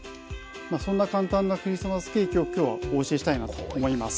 そんな簡単なクリスマスケーキを今日はお教えしたいなと思います。